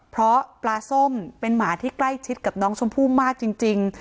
เพราะปลาส้มเป็นหมาที่ใกล้ชิดกับน้องชมพู่มากจริง